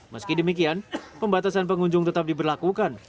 meski demikian pembatasan pengunjung tetap diberlakukan